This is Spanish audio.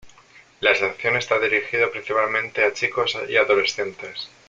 La estación está dirigido principalmente a chicos y adolescentes.